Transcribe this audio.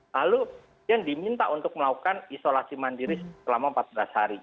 lalu yang diminta untuk melakukan isolasi mandiri selama empat belas hari